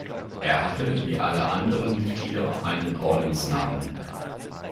Er hatte, wie alle anderen Mitglieder, einen „Ordensnamen“.